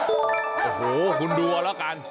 โอ้โหคุณดูเอาแล้วกัน